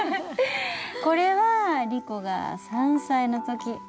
これはリコが３歳の時。